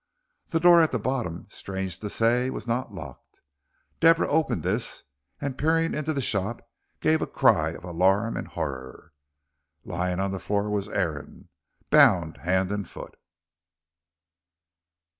The door at the bottom, strange to say, was not locked. Deborah opened this, and peering into the shop gave a cry of alarm and horror. Lying on the floor was Aaron, bound hand and foot.